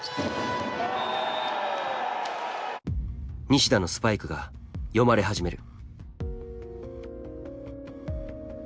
西田のスパイクが読まれ始める。